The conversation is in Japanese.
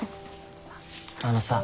あのさ。